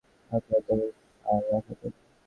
অনুষ্ঠানে প্রধান অতিথি ছিলেন জাতীয় অধ্যাপক শাহলা খাতুন।